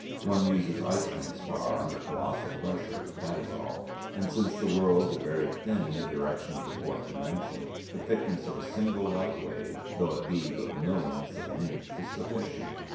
One uses Iceland spar under colossal pressures, that is all. And since the worlds are very thin in the direction of the fourth dimension, the thickness of a single light wave, though it be but millionths of an inch, is sufficient.